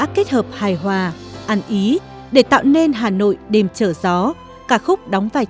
hà nội công diễn tại giáp công nhân